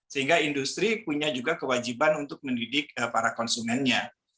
sehingga industri punya juga kewajiban untuk mendidik para konsumennya